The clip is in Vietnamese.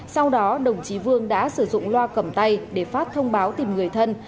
sau đó đồng chí vương đã sử dụng loa cầm tay để phát thông báo tìm người thân